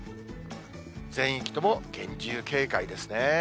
全域とも厳重警戒ですね。